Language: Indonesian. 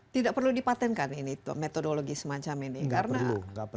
tidak perlu dipatenkan ini metodologi semacam ini